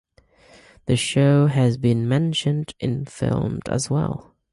The show has been mentioned in film as well.